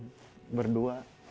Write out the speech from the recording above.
halo tidurnya kalian tidur